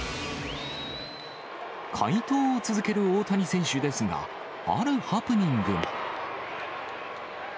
快投を続ける大谷選手ですが、あるハプニングも。